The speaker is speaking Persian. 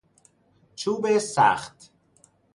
چوب سخت